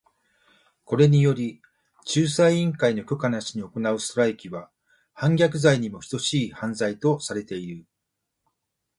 これにより、仲裁委員会の許可なしに行うストライキは反逆罪にも等しい犯罪とされている。